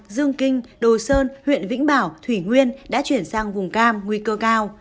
dương kinh đồ sơn huyện vĩnh bảo thủy nguyên đã chuyển sang vùng cam nguy cơ cao